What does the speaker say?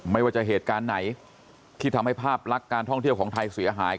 ไม่ว่าจะเหตุการณ์ไหนที่ทำให้ภาพลักษณ์การท่องเที่ยวของไทยเสียหาย